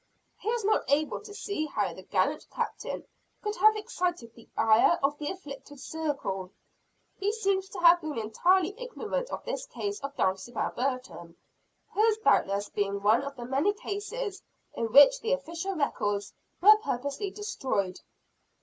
He is not able to see how the gallant Captain could have excited the ire of the "afflicted circle." He seems to have been entirely ignorant of this case of Dulcibel Burton hers doubtless being one of the many cases in which the official records were purposely destroyed.